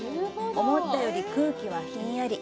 思ったより空気はひんやり。